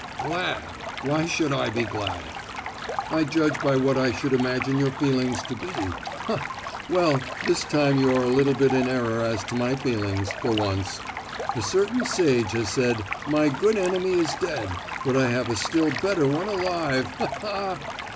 "Glad! Why should I be glad?" "I judge by what I should imagine your feelings to be." "Ha ha! well, this time you are a little bit in error as to my feelings, for once! A certain sage has said 'my good enemy is dead, but I have a still better one alive! ha ha!"